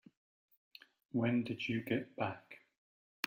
When did you get back?